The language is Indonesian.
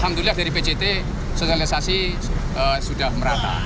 alhamdulillah dari pct sosialisasi sudah merata